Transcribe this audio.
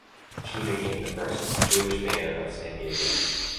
She became the first Jewish mayor of San Diego.